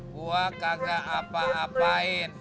gua kagak apa apain